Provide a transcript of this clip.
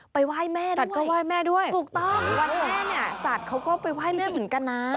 ไปว่ายแม่ด้วยถูกต้องวันแม่เนี่ยสัตว์เขาก็ไปว่ายแม่เหมือนกันนะ